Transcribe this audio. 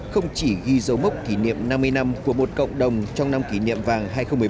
không chỉ ghi dấu mốc kỷ niệm năm mươi năm của một cộng đồng trong năm kỷ niệm vàng hai nghìn một mươi bảy